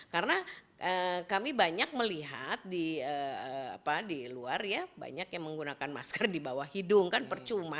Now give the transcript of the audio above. karena kami banyak melihat di apa di luar ya banyak yang menggunakan masker di bawah hidung kan percuma